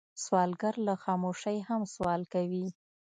سوالګر له خاموشۍ هم سوال کوي